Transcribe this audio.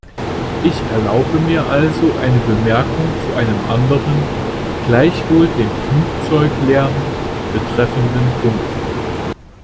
Ich erlaube mir also eine Bemerkung zu einem anderen, gleichwohl den Flugzeuglärm betreffenden Punkt.